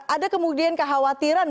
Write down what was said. ada kemudian kekhawatiran